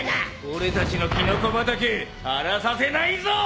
俺たちのキノコ畑荒らさせないぞ！